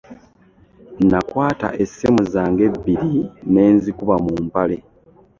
Nakwata essimu zange ebbiri ne nzikuba mu mpale.